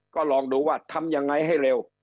ก็ลองดูว่าทำยังไงให้เร็ว